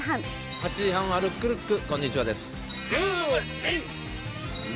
８時半はルックルックこんにズームイン！！